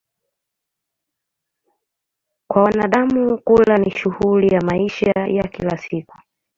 Kwa wanadamu, kula ni shughuli ya maisha ya kila siku.